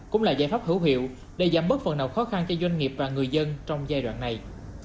cũng là giải pháp hữu hiệu để giảm bớt phần nào khó khăn cho doanh nghiệp và người dân trong giai đoạn này